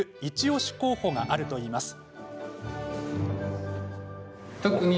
おし候補があるといいます。